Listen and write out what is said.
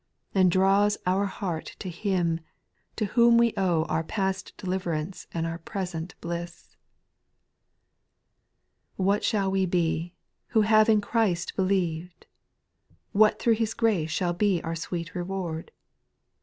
And draws our heart to Him, to whom we owe Our past deliverance and our present bliss I 8. What shall we be, who have in Christ be lieved ? What thro' His grace shall be our sweet reward